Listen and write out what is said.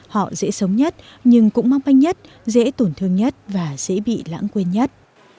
họ dễ sống nhất nhưng cũng mong manh nhất dễ tổn thương nhất và dễ bị lãng quên nhất